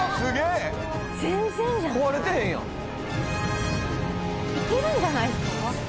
いけるんじゃないですか？